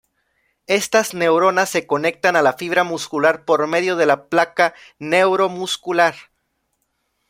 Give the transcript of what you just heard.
Estas neuronas se conectan a la fibra muscular por medio de la placa neuromuscular.